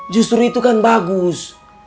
justru itu kan bagus